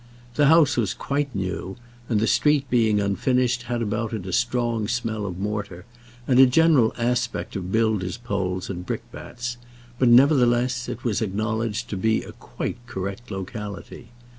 The house was quite new, and the street being unfinished had about it a strong smell of mortar, and a general aspect of builders' poles and brickbats; but nevertheless, it was acknowledged to be a quite correct locality.